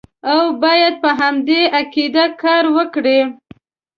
او باید په همدې عقیده کار وکړي.